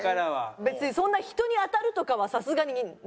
別にそんな人に当たるとかはさすがにないです。